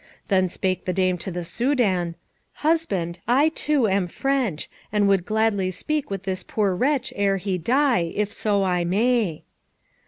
Then spake the dame to the Soudan, "Husband, I, too, am French, and would gladly speak with this poor wretch ere he die, if so I may."